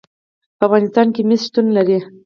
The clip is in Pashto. په افغانستان کې مس شتون لري.